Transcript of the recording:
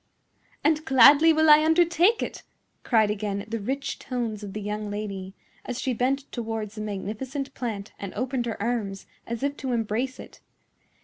"And gladly will I undertake it," cried again the rich tones of the young lady, as she bent towards the magnificent plant and opened her arms as if to embrace it.